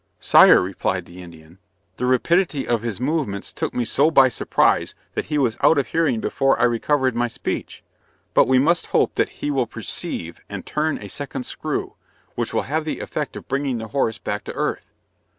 "Sire," replied the Indian, "the rapidity of his movements took me so by surprise that he was out of hearing before I recovered my speech. But we must hope that he will perceive and turn a second screw, which will have the effect of bringing the horse back to earth."